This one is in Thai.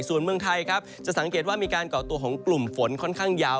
ส่วนเมืองไทยครับจะสังเกตว่ามีการก่อตัวของกลุ่มฝนค่อนข้างยาว